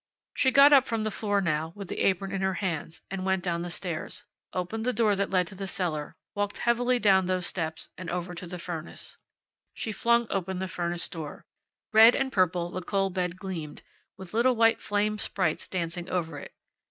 She got up from the floor now, with the apron in her hands, and went down the stairs, opened the door that led to the cellar, walked heavily down those steps and over to the furnace. She flung open the furnace door. Red and purple the coal bed gleamed, with little white flame sprites dancing over it.